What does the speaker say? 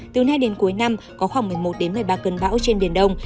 từ nay đến cuối năm có khoảng một mươi một một mươi ba cơn bão trên biển đông